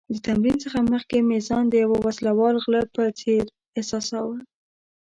د تمرین څخه مخکې مې ځان د یو وسله وال غله په څېر احساساوه.